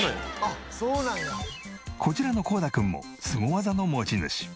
こちらのコーダくんもスゴ技の持ち主。